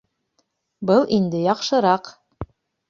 Был инде яҡшыраҡ